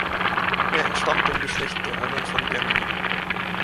Er entstammt dem Geschlecht der Herren von Gemmingen.